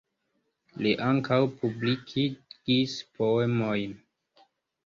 Li ankaŭ publikigis poemojn.